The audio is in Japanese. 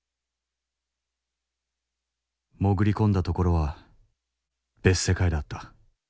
潜り込んだ所は別世界だった。